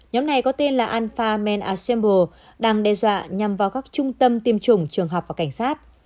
nhóm này có tên là alpha men arsembo đang đe dọa nhằm vào các trung tâm tiêm chủng trường học và cảnh sát